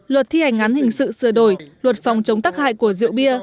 luật thi hành án hình sự sửa đổi luật phòng chống tắc hại của rượu bia